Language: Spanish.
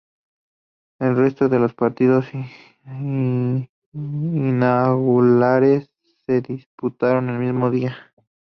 El resto de los partidos inaugurales se disputaron el mismo día.